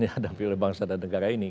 yang ada di bagian bangsa dan negara ini